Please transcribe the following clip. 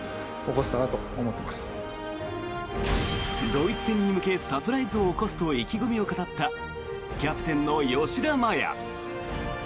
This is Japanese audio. ドイツ戦に向けサプライズを起こすと意気込みを語ったキャプテンの吉田麻也。